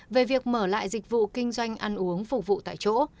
về việc mở lại dịch vụ kinh doanh ăn uống phục vụ tại chỗ